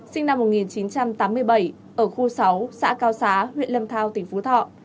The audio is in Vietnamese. sinh năm một nghìn chín trăm tám mươi bảy ở khu sáu xã cao xá huyện lâm thao tỉnh phú thọ